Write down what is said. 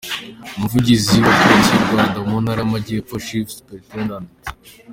Umuvugizi wa Polisi y’u Rwanda mu ntara y’amajyepfo, Chief Supt.